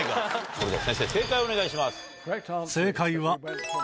それでは先生正解をお願いします。